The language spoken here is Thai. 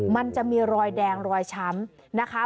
มันจะมีรอยแดงรอยช้ำนะคะ